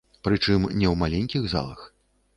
Прычым не ў маленькіх залах.